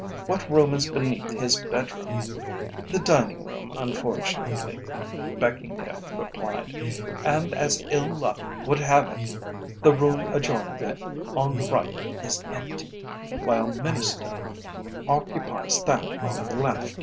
What room is beneath his bedroom?" "The dining room, unfortunately," Beckingdale replied, "and as ill luck would have it, the room adjoining it on the right is empty, while M'Innister occupies that on the left.